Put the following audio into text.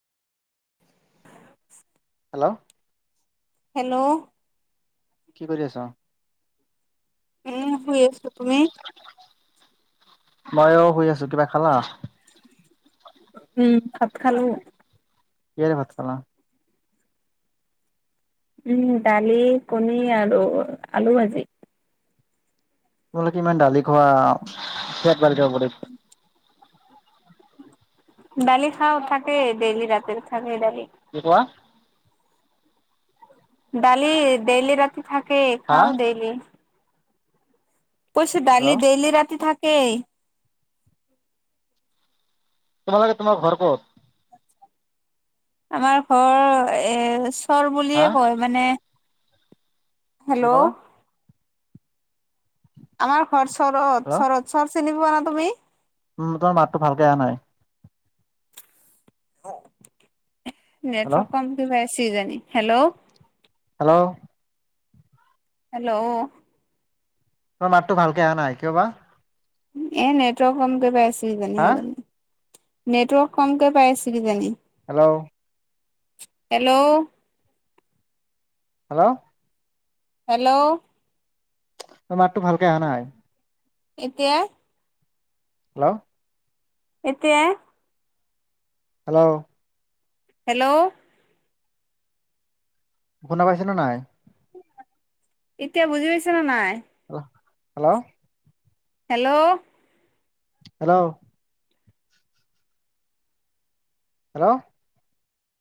Hello. Hello. কি কৰি আছ এনেই আছোঁ। শুই আছো তুমি মইয়ো শুই আছো কিবা খালা উম ভাত খালোঁ। কিহেৰে ভাত খালা। উম দালি কণী আৰু আলু ভাজি। তোমালোকে ইমান দালি খোৱা ফেট বাঢ়ি যাব দেই। দালি খাওঁ থাকেই দেইলি ৰাতি থাকে দালি। কি খোৱা। দালি ডেইলি ৰাতি থাকেই হা খাওঁ ডেইলি। কৈছো দালি হেল্ল' ডেইলি ৰাতি থাকেই। তোমালোকে তোমাৰ ঘৰ ক'ত? আমাৰ ঘৰ এ চৰ হা বুলিয়ে কয় মানে কি হেল্ল'। ক'লা? আমাৰ ঘৰ চৰত হেল্ল' চৰত চৰ চিনি পোৱা নে তুমি। উম তোমাৰ মাততো ভালকে অহা নাই। হেল্ল' নেটৱৰ্ক কম কে পাইছে কিজানি হেল্ল হেল্ল'। হেল্ল'। তোমাৰ মাতটো ভালকে অহা নাই কিয় বা এ নেটৱৰক কম কে পাই আছিল কিজানি হা সেই কাৰণে নেটৱৰ্ক কমকৈ পাই আছিল কিজানি হেল্ল'। হেল্ল'। হেল্ল'। হেল্ল'। তোমাৰ মাতটো ভালকে অহা নাই এতিয়া হেল্ল'। এতিয়া হেল্ল' হেল্ল' শুনা পাইছ নে নাই। এতিয়া বুজি পাইছে নে নাই hello hello. Hello hello hello